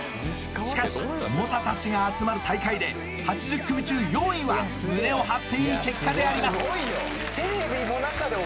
しかし猛者たちが集まる大会で８０組中４位は胸を張っていい結果であります